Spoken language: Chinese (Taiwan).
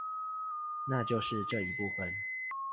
那就是這一部分